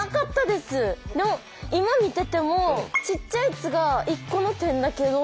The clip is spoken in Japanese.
でも今見ててもちっちゃい「つ」が１個の点だけど。